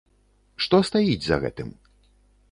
Што стаіць за гэтым?